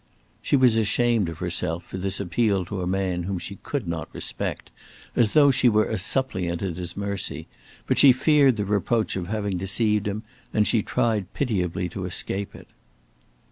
She was ashamed of herself for this appeal to a man whom she could not respect, as though she were a suppliant at his mercy, but she feared the reproach of having deceived him, and she tried pitiably to escape it.